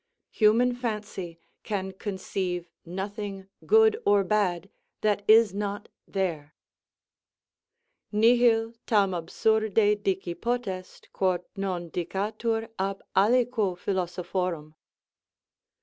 Human fancy can conceive nothing good or bad that is not there: _Nihil tam absurde did potest, quod non dicatur ab aliquo philosophorum.